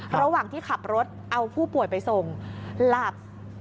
ระหว่างที่ขับรถเอาผู้ป่วยไปส่งหลับ